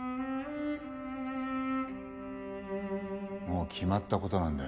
もう決まった事なんだよ。